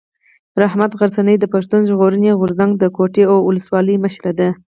رحمت غرڅنی د پښتون ژغورني غورځنګ د کوټي اولسوالۍ مشر دی.